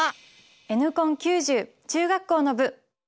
「Ｎコン９０」中学校の部。